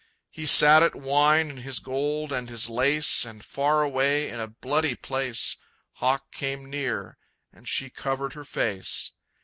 He sat at wine in his gold and his lace, And far away, in a bloody place, Hawk came near, and she covered her face.